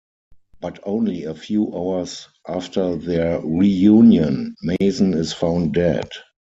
But only a few hours after their reunion, Mason is found dead.